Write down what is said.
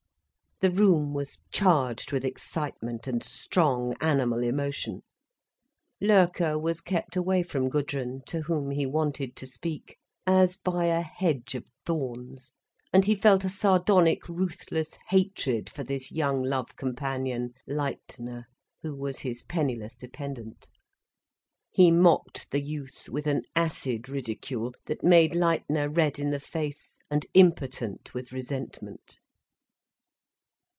The room was charged with excitement and strong, animal emotion. Loerke was kept away from Gudrun, to whom he wanted to speak, as by a hedge of thorns, and he felt a sardonic ruthless hatred for this young love companion, Leitner, who was his penniless dependent. He mocked the youth, with an acid ridicule, that made Leitner red in the face and impotent with resentment.